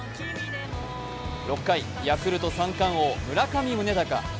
６回、ヤクルト三冠王・村上宗隆。